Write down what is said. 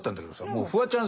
もうフワちゃん